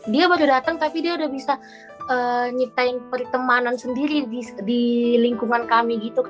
dia baru datang tapi dia udah bisa nyiptain pertemanan sendiri di lingkungan kami gitu